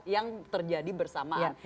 yang terjadi bersamaan